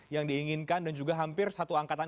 yang diinginkan dan juga hampir satu angkatan